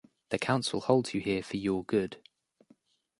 The Council holds you here for your good.